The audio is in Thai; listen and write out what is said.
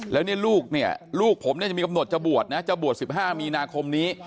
แล้วเนี่ยลูกเนี่ยลูกผมเนี่ยจะมีกำหนดจะบวชนะจะบวช๑๕มีนาคมนี้